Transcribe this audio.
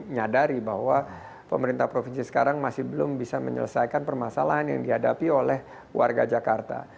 nyadari bahwa pemerintah provinsi sekarang masih belum bisa menyelesaikan permasalahan yang dihadapi oleh warga jakarta